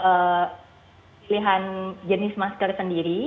pilihan jenis masker sendiri